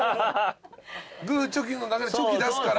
グーチョキの中でチョキ出すから。